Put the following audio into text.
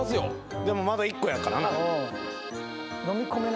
でもまだ１個やからな。